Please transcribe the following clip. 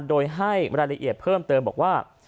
โดยให้รายละเอียดเพิ่มเติมบอกว่า